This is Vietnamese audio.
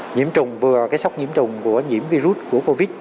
nhiễm trùng vừa cái sốc nhiễm trùng của nhiễm virus của covid